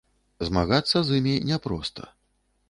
Змагацца з імі няпроста.